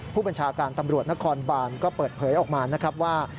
ผู้บัญชาการตำรวจนครบานก็เปิดเผยออกมานะครับว่า